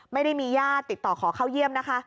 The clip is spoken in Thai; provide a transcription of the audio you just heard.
ไม่ได้มีญาติติดต่อขอเข้าเยี่ยมนะคะ